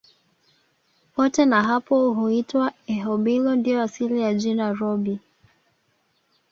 Wote na hapo huitwa Erhobilo ndio asili ya jina Rhobi